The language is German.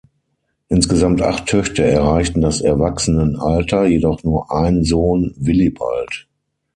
Insgesamt acht Töchter erreichten das Erwachsenenalter, jedoch nur ein Sohn, Willibald.